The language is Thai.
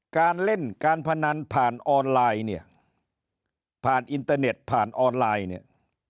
การเล่นการพนันผ่านออนไลน์เนี่ยผ่านอินเตอร์เน็ตผ่านออนไลน์เนี่ย